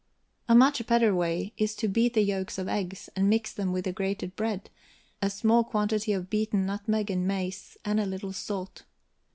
A much better way is to beat the yolks of eggs, and mix with the grated bread, a small quantity of beaten nutmeg and mace, and a little salt.